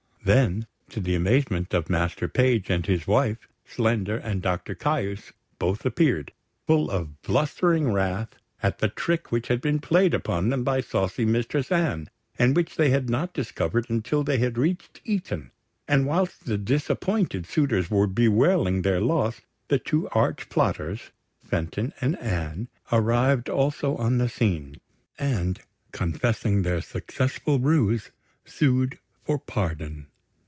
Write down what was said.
Then, to the amazement of Master Page and his wife, Slender and Doctor Caius both appeared, full of blustering wrath at the trick which had been played upon them by saucy Mistress Anne, and which they had not discovered until they had reached Eton; and whilst the disappointed suitors were bewailing their loss, the two arch plotters, Fenton and Anne, arrived also on the scene, and confessing their successful ruse, sued for pardon.